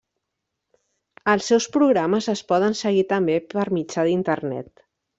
Els seus programes es poden seguir també per mitjà d'Internet.